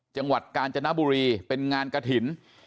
จังหวัดกาญจนบุรีเป็นงานกระถิ่น